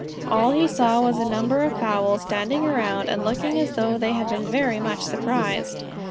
All he saw was a number of fowls standing around and looking as though they had been very much surprised.